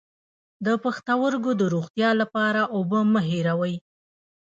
د پښتورګو د روغتیا لپاره اوبه مه هیروئ